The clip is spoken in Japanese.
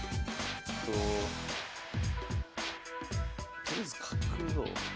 とりあえず角を。